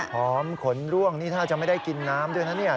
ขนร่วงนี่ถ้าจะไม่ได้กินน้ำด้วยนะเนี่ย